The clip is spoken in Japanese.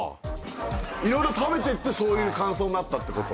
いろいろ食べてってそういう感想になったってこと？